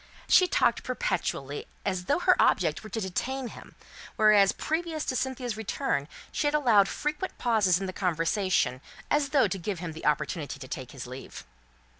She talked perpetually, as though her object were to detain him; whereas, previous to Cynthia's return, she had allowed frequent pauses in the conversation, as though to give him the opportunity to take his leave.